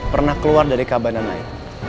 pernah keluar dari kabar nanai